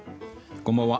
こんばんは。